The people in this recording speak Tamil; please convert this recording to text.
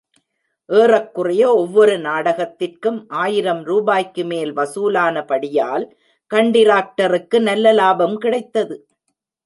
ஏறக்குறைய ஒவ்வொரு நாடகத்திற்கும் ஆயிரம் ரூபாய்க்கு மேல் வசூலானபடியால், கண்டிராக்டருக்கு நல்ல லாபம் கிடைத்தது.